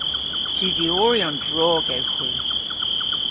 Studhyoryon drog ewgh hwi.